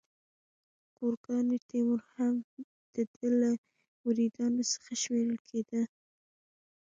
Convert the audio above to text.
ګورکاني تیمور هم د ده له مریدانو څخه شمیرل کېده.